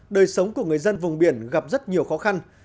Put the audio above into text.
đời sống của người dân vùng biển gặp rất nhiều khó khăn